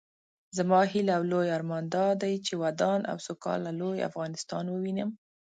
زما هيله او لوئ ارمان دادی چې ودان او سوکاله لوئ افغانستان ووينم